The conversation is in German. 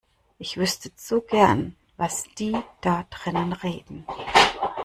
Ich wüsste zu gern, was die da drinnen reden.